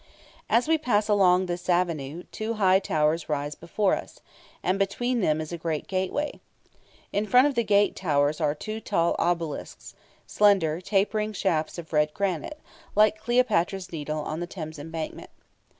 As we pass along the avenue, two high towers rise before us, and between them is a great gateway. In front of the gate towers are two tall obelisks, slender, tapering shafts of red granite, like Cleopatra's Needle on the Thames Embankment.